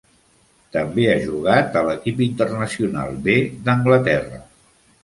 També ha jugat a l'equip internacional B d'Anglaterra.